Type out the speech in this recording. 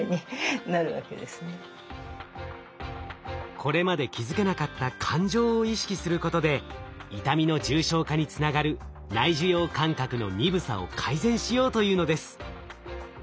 これまで気づけなかった感情を意識することで痛みの重症化につながる内受容感覚の鈍さを改善しようというのです。